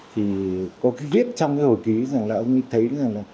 thì có cái viết trong cái hồi ký rằng là ông ấy thấy